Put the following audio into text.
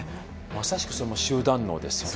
まさしくそれも集団脳ですよね。